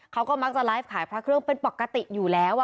เขาก็มักจะไลฟ์ขายพระเครื่องเป็นปกติอยู่แล้ว